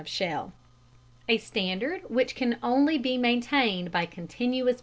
of shell, a standard which can only be maintained by continuous vigilance.